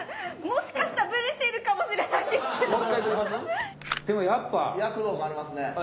もしかしたらぶれてるかもしれないんですけど。